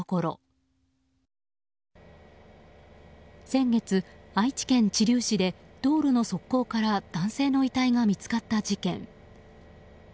先月、愛知県知立市で道路の側溝から男性の遺体が見つかった事件。